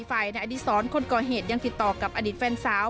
ในอดีศรคนก่อเหตุยังติดต่อกับอดีตแฟนสาว